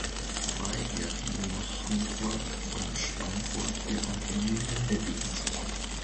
Dabei wird nur noch Hammelburg von Schweinfurt über Gemünden bedient.